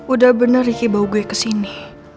udah bener ricky bawa gue kesini